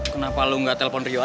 kenapa lu nggak telepon rio aja